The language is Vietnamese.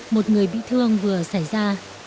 một người bị thương vừa xảy ra